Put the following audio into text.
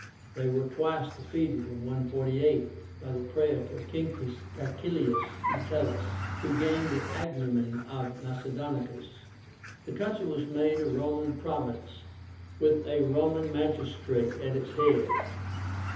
They were twice defeated in 148 by the praetor QUINTUS CAECILIUS METELLUS, who gained the agnomen of MACEDONICUS. The country was made a Roman province, with a Roman magistrate at its head.